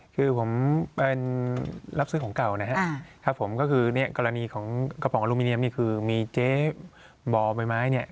คือผมเป็นรับซื้อของเก่านะครับผมก็คือเนี่ยกรณีของกระป๋องอลูมิเนียมนี่คือมีเจ๊บ่อใบไม้เนี่ย